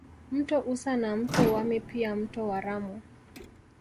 Mto Usa na mto Wami pia mto Waramu